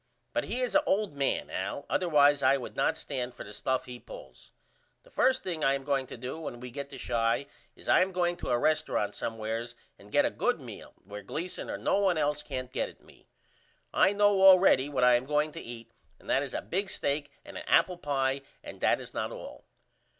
But he is a old man Al otherwise I would not stand for the stuff he pulls. The 1st thing I am going to do when we get to Chi is I am going to a resturunt somewheres and get a good meal where Gleason or no one else can't get at me. I know allready what I am going to eat and that is a big stake and a apple pie and that is not all.